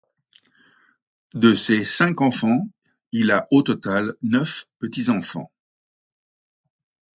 De ses cinq enfants, il a au total neuf petits-enfants.